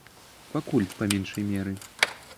Пакуль па меншай меры.